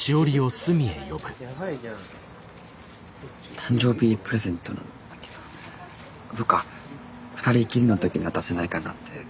誕生日プレゼントなんだけどどっか二人きりの時に渡せないかなって考えてて。